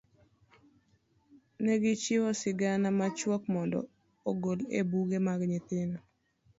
ne gichiwo sigana machuok mondo ogol e buge mag nyithindo.